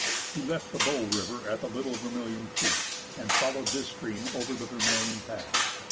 He left the Bow River at the Little Vermilion Creek, and followed this stream over the Vermilion Pass.